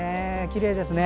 きれいですね。